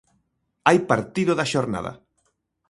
Hai partido da xornada.